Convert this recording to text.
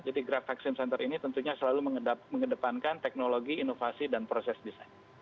jadi grab vaksin center ini tentunya selalu mengedepankan teknologi inovasi dan proses desain